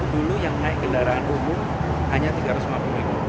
dulu yang naik kendaraan umum hanya rp tiga ratus lima puluh ribu